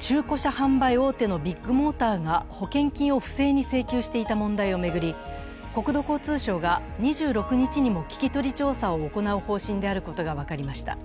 中古車販売大手のビッグモーターが保険金を不正に請求していた問題を巡り、国土交通省が２６日にも聴き取り調査を行う方針であることが分かりました。